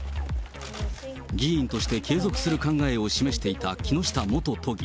議員として継続する考えを示していた木下元都議。